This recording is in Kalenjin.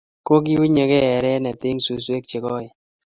kokiunygei erene eng' suswek che koen.